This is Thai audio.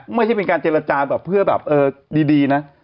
ไม่ใช่เป็นการเจรจาแบบเพื่อแบบดีนะ